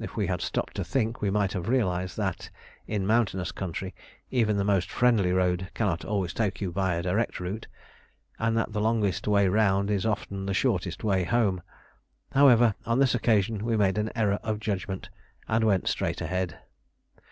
If we had stopped to think we might have realised that, in mountainous country, even the most friendly road cannot always take you by a direct route, and that the longest way round is often the shortest way home. However, on this occasion we made an error of judgment and went straight ahead.